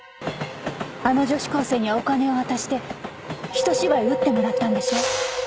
あの女子高生にはお金を渡して一芝居打ってもらったんでしょ？